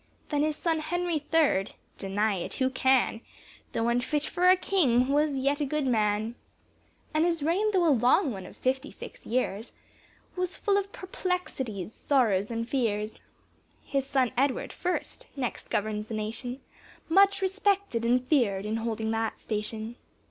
Then his son Henry third, deny it who can? Though unfit for a King, was yet a good man, And his reign though a long one of fifty six years Was full of perplexities, sorrows, and fears. His son Edward first next governs the nation, Much respected and feared, in holding that station.